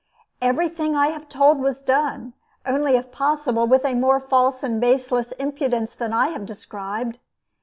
Everything I have told was done, only if possible with a more false and baseless impudence than I have described.